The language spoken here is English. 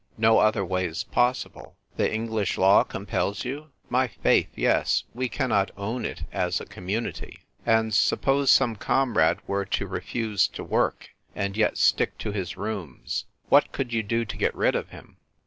No other way is possible." "The English law compels you?" " My faith, yes ; we cannot own it as a Community." "And suppose some comrade were to re fuse to work, and yet stick to his rooms. What could you do to get rid of him